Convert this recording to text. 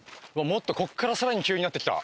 もっとここから更に急になってきた。